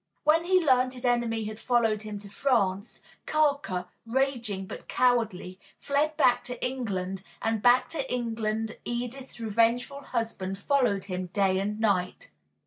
When he learned his enemy had followed him to France, Carker, raging, but cowardly, fled back to England; and back to England Edith's revengeful husband followed him day and night.